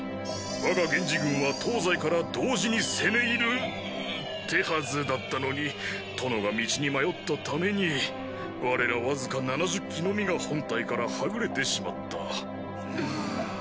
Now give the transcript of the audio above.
我が源氏軍は東西から同時に攻め入る手はずだったのに殿が道に迷ったために我らわずか７０騎のみが本隊からはぐれてしまった。